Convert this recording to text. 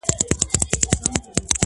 زموږ اعمال د ځان سرمشق کړه تاریخ ګوره؛